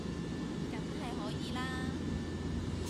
梗係可以啦